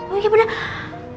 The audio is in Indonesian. sebentar gigi apa sini kesitu